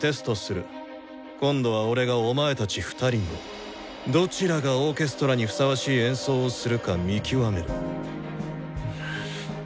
今度は俺がお前たち２人のどちらがオーケストラにふさわしい演奏をするか見極める。